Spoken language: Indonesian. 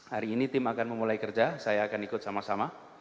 hari ini tim akan memulai kerja saya akan ikut sama sama